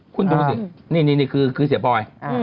คุณดูสินี่คือเสียบอย